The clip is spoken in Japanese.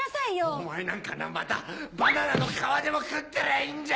お前なんかなまたバナナの皮でも食ってりゃいいんじゃ！